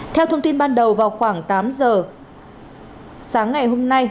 theo thông tin ban đầu vào khoảng tám giờ sáng ngày hôm nay